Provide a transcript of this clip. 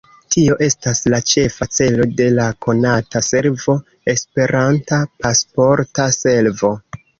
Tio estas la ĉefa celo de la konata servo esperanta Pasporta Servo.